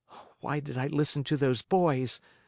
Why did I listen to those boys?